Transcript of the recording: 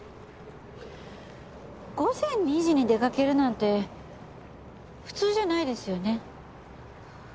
午前２時に出かけるなんて普通じゃないですよね。